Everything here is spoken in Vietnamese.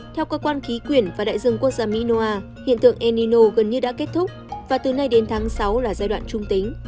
theo các quan khí quyển và đại dương quốc gia minoa hiện tượng el nino gần như đã kết thúc và từ nay đến tháng sáu là giai đoạn trung tính